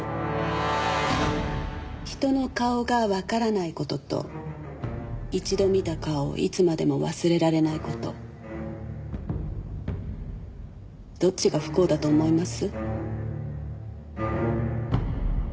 人の顔がわからない事と一度見た顔をいつまでも忘れられない事どっちが不幸だと思います？